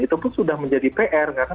itu pun sudah menjadi pr karena